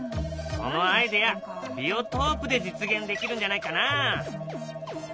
そのアイデアビオトープで実現できるんじゃないかな。